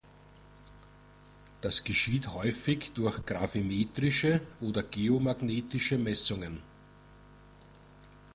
Das geschieht häufig durch gravimetrische oder geomagnetische Messungen.